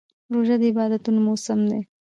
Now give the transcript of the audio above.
روژه د عبادتونو موسم دی.